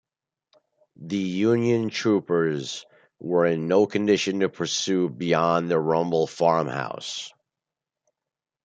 The Union troopers were in no condition to pursue beyond the Rummel farmhouse.